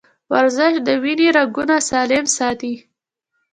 ورزش د وینې رګونه سالم ساتي.